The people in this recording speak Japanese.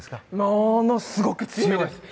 ものすごく強いです。